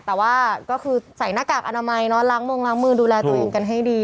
แต่ว่าก็คือใส่หน้ากากอนามัยเนอะล้างมงล้างมือดูแลตัวเองกันให้ดี